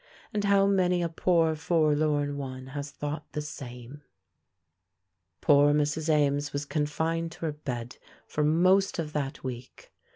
And how many a poor forlorn one has thought the same! Poor Mrs. Ames was confined to her bed for most of that week.